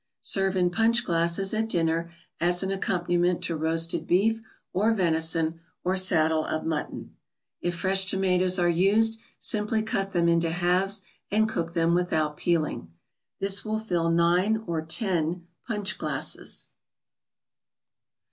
Serve in punch glasses at dinner as an accompaniment to roasted beef, or venison, or saddle of mutton. If fresh tomatoes are used, simply cut them into halves and cook them without peeling. This will fill nine or ten punch glasses.